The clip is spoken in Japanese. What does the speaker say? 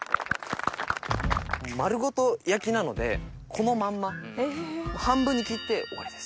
丸ごと焼きなのでこのまんま。半分に切って終わりです。